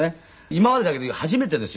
今までだけど初めてですよ。